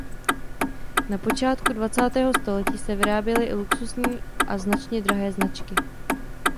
Na počátku dvacátého století se vyráběly i luxusní a značně drahé značky.